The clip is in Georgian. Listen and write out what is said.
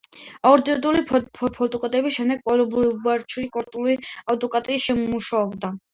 იურიდიული ფაკულტეტის შემდეგ, კლობუჩარი კორპორატიულ ადვოკატად მუშაობდა.